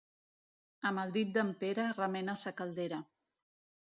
Amb el dit d'en Pere, remena sa caldera.